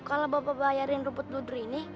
kalau bapak bayarin rumput ludri ini